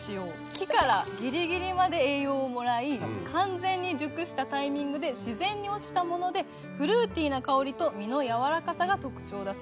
木からギリギリまで栄養をもらい完全に熟したタイミングで自然に落ちたものでフルーティーな香りと実の柔らかさが特徴だそうです。